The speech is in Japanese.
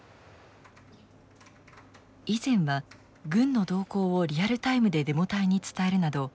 以前は軍の動向をリアルタイムでデモ隊に伝えるなど